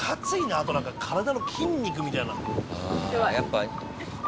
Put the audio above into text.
あとなんか体の筋肉みたいな。